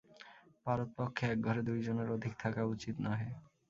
পারতপক্ষে একঘরে দুই জনের অধিক থাকা উচিত নহে।